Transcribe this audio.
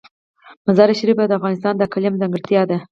مزارشریف د افغانستان د اقلیم ځانګړتیا ده.